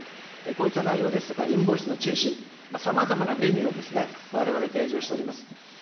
こういった内容ですとか、インボイスの中止、さまざまなメニューをわれわれ提示をしております。